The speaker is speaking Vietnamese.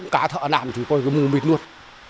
cá thợ làm thì coi cái mù mịt luôn